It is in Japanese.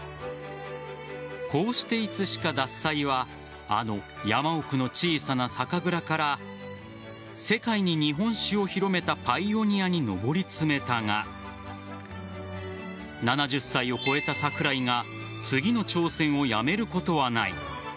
こうして、いつしか獺祭はあの山奥の小さな酒蔵から世界に日本酒を広めたパイオニアに上り詰めたが７０歳を超えた桜井が次の挑戦をやめることはない。